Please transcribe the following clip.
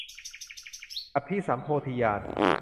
อภิสัมโพธิญาณ